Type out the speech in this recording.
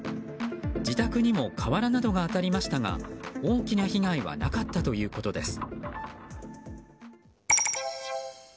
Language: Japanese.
自宅にも瓦などが当たりましたが大きな被害はなかったということです。